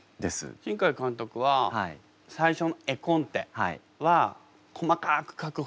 新海監督は最初絵コンテは細かく描く方ですか？